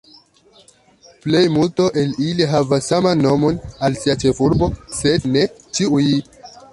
Plejmulto el ili havas saman nomon al sia ĉefurbo, sed ne ĉiuj.